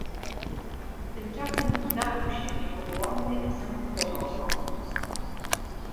"Tymczasem wdarł się niepowołany i zamordował go."